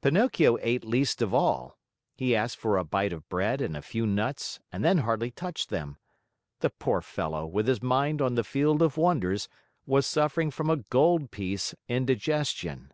Pinocchio ate least of all. He asked for a bite of bread and a few nuts and then hardly touched them. The poor fellow, with his mind on the Field of Wonders, was suffering from a gold piece indigestion.